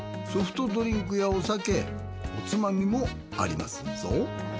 ソフトドリンクやお酒おつまみもありますぞ。